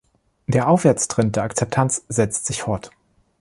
Der Aufwärtstrend der Akzeptanz setzt sich fort.